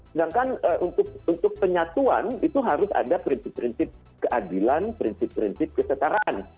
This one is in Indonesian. sedangkan untuk penyatuan itu harus ada prinsip prinsip keadilan prinsip prinsip kesetaraan